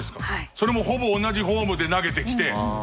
それもほぼ同じフォームで投げてきて。